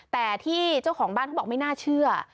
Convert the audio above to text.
แต่ที่เจ้าของบ้านเขาบอกไม่น่าเชื่อ